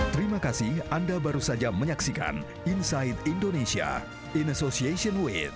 terima kasih anda baru saja menyaksikan inside indonesia in association with